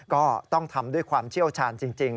ก็ต้องทำด้วยความเชี่ยวชาญจริง